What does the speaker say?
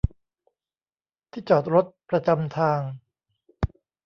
ที่จอดรถประจำทาง